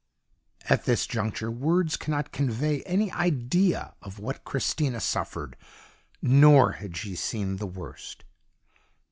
"At this juncture words cannot convey any idea of what Christina suffered; nor had she seen the worst.